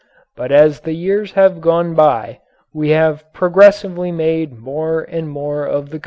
But as the years have gone by we have progressively made more and more of the car.